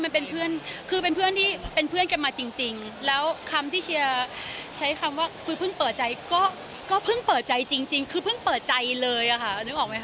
มันเป็นเพื่อนคือเป็นเพื่อนที่เป็นเพื่อนกันมาจริงแล้วคำที่เชียร์ใช้คำว่าคือเพิ่งเปิดใจก็เพิ่งเปิดใจจริงคือเพิ่งเปิดใจเลยอะค่ะนึกออกไหมค